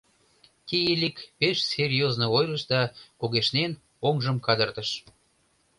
Тиилик пеш серьёзно ойлыш да, кугешнен, оҥжым кадыртыш.